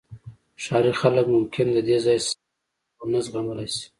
ښاري خلک ممکن د دې ځای سختۍ ونه زغملی شي